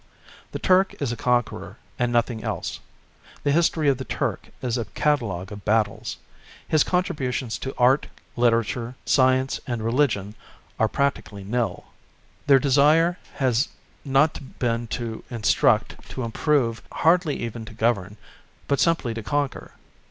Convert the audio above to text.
The Turk is a conqueror and nothing else. The history of the Turk is a catalogue of battles. His contributions to art, literature, science and religion, are practically nil. Their desire has not been to instruct, to improve, hardly even to govern, but simply to conquer....